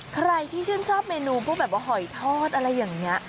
ใครที่ชื่นชอบเมนูพวกแบบว่าหอยทอดอะไรอย่างนี้